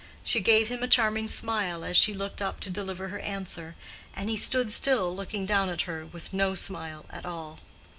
She gave him a charming smile as she looked up to deliver her answer, and he stood still looking down at her with no smile at all.